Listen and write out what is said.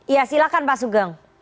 ya silakan pak sugeng